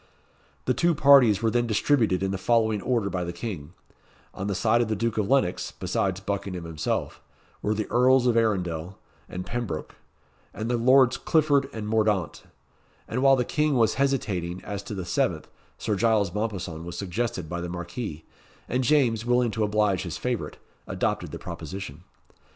The two parties were then distributed in the following order by the King: On the side of the Duke of Lennox, besides Buckingham himself, were the Earls of Arundel and Pembroke, and the Lords Clifford and Mordaunt; and while the King was hesitating as to the seventh, Sir Giles Mompesson was suggested by the Marquis, and James, willing to oblige his favourite, adopted the proposition.